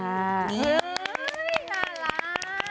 เฮ้ยน่ารัก